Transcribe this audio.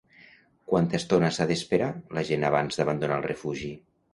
Quanta estona s'ha d'esperar la gent abans d'abandonar el refugi?